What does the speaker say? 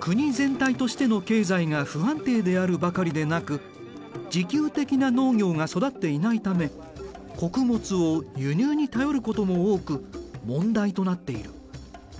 国全体としての経済が不安定であるばかりでなく自給的な農業が育っていないため穀物を輸入に頼ることも多く問題となっている。